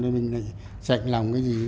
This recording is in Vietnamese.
mình chạy lòng cái gì